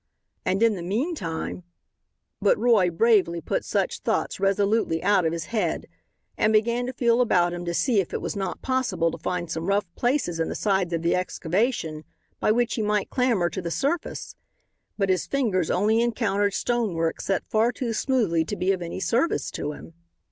And in the meantime, but Roy bravely put such thoughts resolutely out of his head, and began to feel about him to see if it was not possible to find some rough places in the sides of the excavation by which he might clamber to the surface. But his fingers only encountered stonework set far too smoothly to be of any service to him.